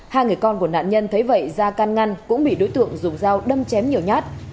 hai người con của nạn nhân thấy vậy ra can ngăn cũng bị đối tượng dùng dao đâm chém nhiều nhát